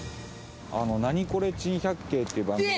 『ナニコレ珍百景』っていう番組なんですけど。